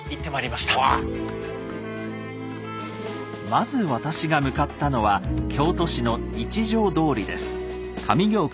まず私が向かったのは京都市の一条通です。